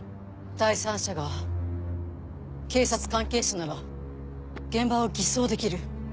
第三者が警察関係者なら現場を偽装できる。